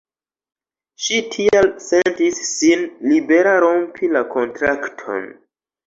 Ŝi tial sentis sin libera rompi la kontrakton.